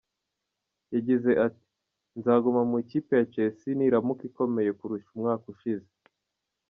Yagize ati “Nzaguma mu ikipe ya Chelsea niramuka ikomeye kurusha umwaka ushize.